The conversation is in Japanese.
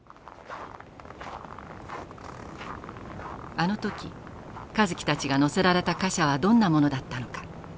あの時香月たちが乗せられた貨車はどんなものだったのか。